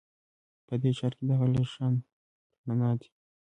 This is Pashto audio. په دې ښار کې دغه لږه شان رڼا ده